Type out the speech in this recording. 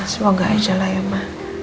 semoga aja lah ya mah